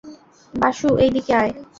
বাসু, এইদিকে আয়।